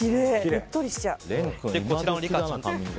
うっとりしちゃう。